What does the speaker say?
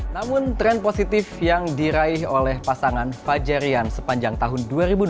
namun tren positif yang diraih oleh pasangan fajar rian sepanjang tahun dua ribu dua puluh